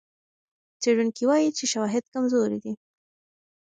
څېړونکي وايي چې شواهد کمزوري دي.